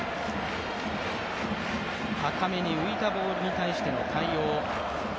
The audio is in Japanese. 高めに浮いたボールに対しての対応。